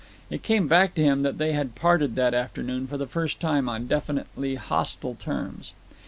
It came back to him that they had parted that afternoon, for the first time, on definitely hostile terms.